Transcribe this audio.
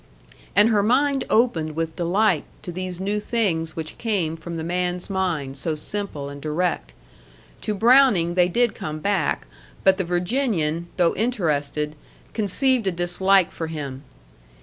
And her mind opened with delight to these new things which came from the man's mind so simple and direct. To Browning they did come back, but the Virginian, though interested, conceived a dislike for him.